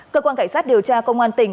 cơ quan cảnh sát điều tra công an tỉnh